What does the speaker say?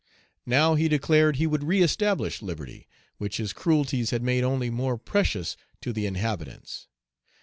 Now he declared he would reëstablish liberty, which his cruelties had made only more precious to the inhabitants.